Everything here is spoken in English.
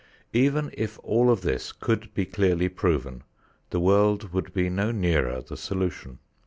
Even if all of this could be clearly proven, the world would be no nearer the solution.